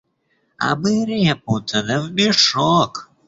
А мы репу-то да в мешок!